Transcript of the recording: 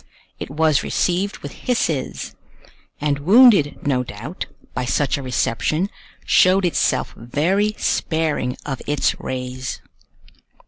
It was received with hisses; and wounded, no doubt, by such a reception, showed itself very sparing of its rays.